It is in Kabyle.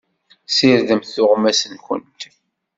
Ssirdemt tuɣmas-nwent.